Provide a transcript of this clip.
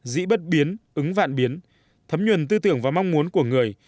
dĩ bất biến ứng vạn biến thấm nhuần tư tưởng và mong muốn của người